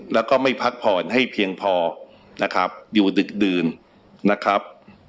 แล้วก็ไม่พักผ่อนให้เพียงพอนะครับอยู่ดึกดื่นนะครับ